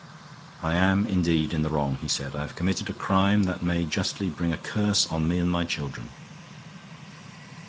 "I am indeed in the wrong," he said. "I have committed a crime that may justly bring a curse on me and my children."